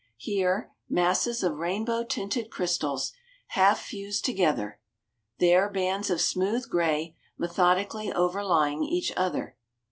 Here masses of rainbow tinted crystals, half fused together; there bands of smooth gray methodically overlying each other.